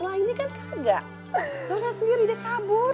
wah ini kan kagak lo lihat sendiri dia kabur